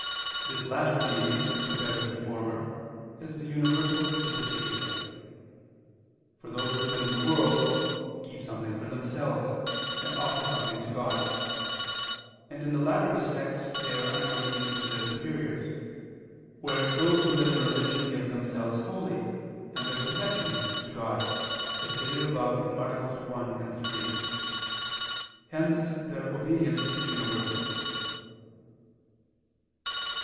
This latter obedience is compared to the former as the universal to the particular. For those who live in the world, keep something for themselves, and offer something to God; and in the latter respect they are under obedience to their superiors: whereas those who live in religion give themselves wholly and their possessions to God, as stated above (AA. 1, 3). Hence their obedience is universal.